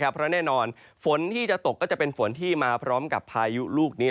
เพราะแน่นอนฝนที่จะตกก็จะเป็นฝนที่มาพร้อมกับพายุลูกนี้